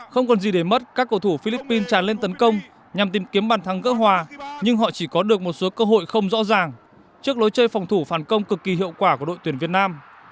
không còn gì để mất các cầu thủ philippines tràn lên tấn công nhằm tìm kiếm bàn thắng gỡ hòa nhưng họ chỉ có được một số cơ hội không rõ ràng trước lối chơi phòng thủ phản công cực kỳ hiệu quả của đội tuyển việt nam